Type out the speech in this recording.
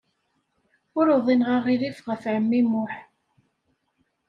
Ur uḍineɣ aɣilif ɣef ɛemmi Muḥ.